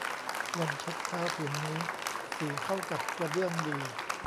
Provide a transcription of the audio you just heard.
พรมเช็ดเท้าผืนนี้สีเข้ากับกระเบื้องดี